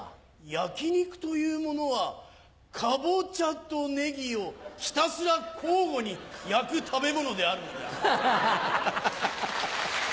焼き肉というものはカボチャとネギをひたすら交互に焼く食べ物であるのだ。